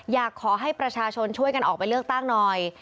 อยากให้ประชาชนช่วยกันออกไปเลือกตั้งหน่อย